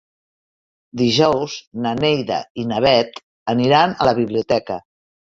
Dijous na Neida i na Bet aniran a la biblioteca.